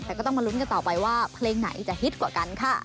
แต่ก็ต้องมาลุ้นกันต่อไปว่าเพลงไหนจะฮิตกว่ากันค่ะ